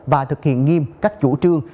và thực hiện nghiêm các chủ trương